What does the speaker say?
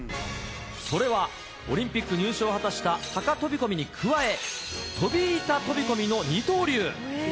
それは、オリンピック入賞を果たした高飛込に加え、飛板飛込の二刀流。